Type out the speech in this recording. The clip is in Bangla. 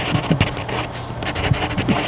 মানে, কেন?